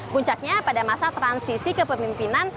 puncaknya pada masa transisi ke pemimpinan